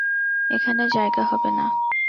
এখানে জায়গা হবে না।